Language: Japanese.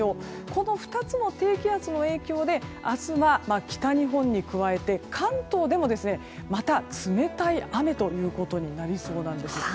この２つの低気圧の影響で明日は北日本に加えて関東でも、また冷たい雨となりそうなんです。